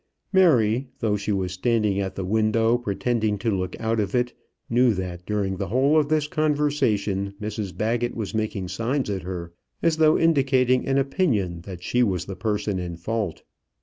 Mary, though she was standing at the window, pretending to look out of it, knew that during the whole of this conversation Mrs Baggett was making signs at her, as though indicating an opinion that she was the person in fault.